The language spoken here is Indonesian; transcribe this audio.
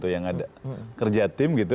yang ada kerja tim gitu